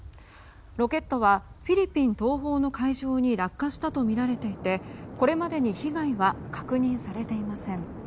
ロケットはフィリピン東方の海上に落下したとみられていてこれまでに被害は確認されていません。